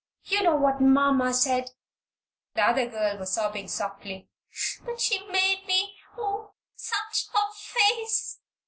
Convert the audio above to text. You know what mamma said." The other child was sobbing softly. "But she made me, oh, such a face!